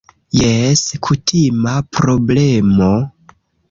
Jes, kutima problemo